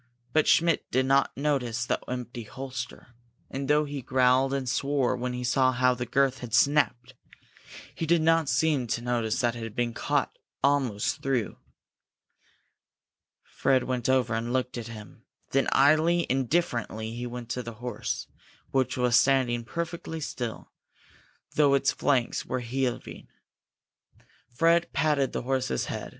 But Schmidt did not notice the empty holster, and though he growled and swore when he saw how the girth had snapped, he did not seem to notice that it had been cut almost through. Fred went over and looked at him. Then, idly, indifferently, he went to the horse, which was standing perfectly still, though its flanks were still heaving. Fred patted the horse's head.